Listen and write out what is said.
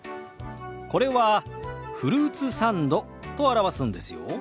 これは「フルーツサンド」と表すんですよ。